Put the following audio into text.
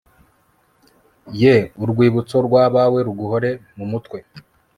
yeee urwibutso rw'abawe ruguhore mumutwe